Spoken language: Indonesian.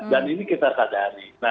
dan ini kita sadari